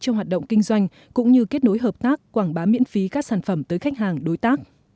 trong hoạt động kinh doanh cũng như kết nối hợp tác quảng bá miễn phí các sản phẩm tới khách hàng đối tác